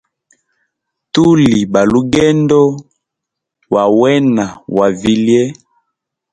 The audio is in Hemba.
Tuli balugendo wa wena wa vilye.